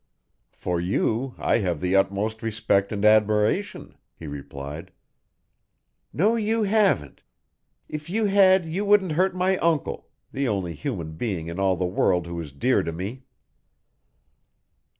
"For you I have the utmost respect and admiration," he replied. "No, you haven't. If you had, you wouldn't hurt my uncle the only human being in all this world who is dear to me."